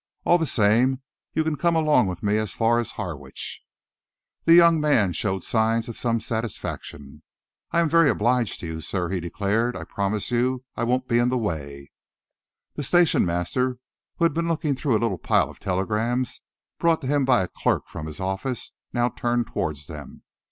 All the same, you can come along with me as far as Harwich." The young man showed signs of some satisfaction. "I am very much obliged to you, sir," he declared. "I promise you I won't be in the way." The station master, who had been looking through a little pile of telegrams brought to him by a clerk from his office, now turned towards them.